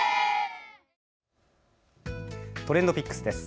ＴｒｅｎｄＰｉｃｋｓです。